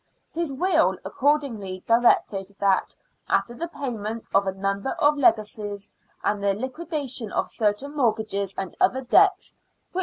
His will accordingly directed that, after the payment of a number of legacies, and the liquidation of certain mortgages and other debts, which QUEEN ELIZABETH'S HOSPITAL.